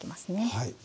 はい。